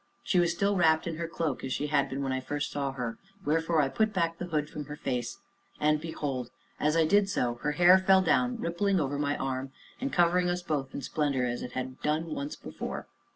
She was still wrapped in her cloak, as she had been when I first saw her, wherefore I put back the hood from her face. And behold! as I did so, her hair fell down, rippling over my arm, and covering us both in its splendor, as it had done once before.